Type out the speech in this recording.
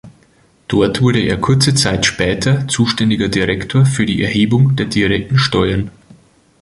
Dort wurde er kurze Zeit später zuständiger Direktor für die Erhebung der direkten Steuern.